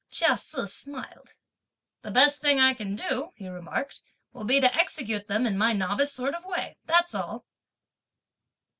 Chia Se smiled. "The best thing I can do," he remarked, "will be to execute them in my novice sort of way, that's all."